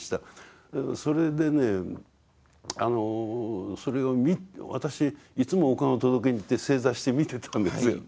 それでね私いつもお棺を届けに行って正座して見てたんですよ。